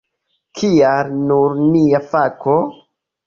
Kial nur nia fako?